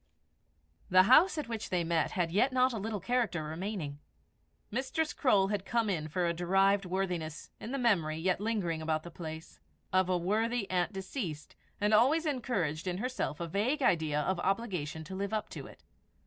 The house at which they met had yet not a little character remaining. Mistress Croale had come in for a derived worthiness, in the memory, yet lingering about the place, of a worthy aunt deceased, and always encouraged in herself a vague idea of obligation to live up to it.